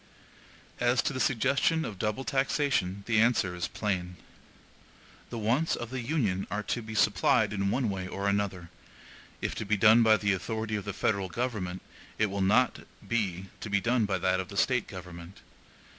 As to the suggestion of double taxation, the answer is plain. The wants of the Union are to be supplied in one way or another; if to be done by the authority of the federal government, it will not be to be done by that of the State government.